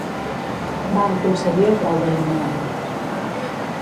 Va aconseguir el grau de general.